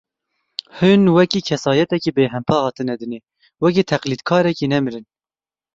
Hûn wekî kesayetekî bêhempa hatine dinê, wekî teqlîdkarekî nemirin.